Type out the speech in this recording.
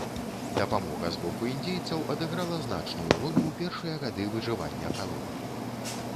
Дапамога з боку індзейцаў адыграла значную ролю ў першыя гады выжывання калоніі.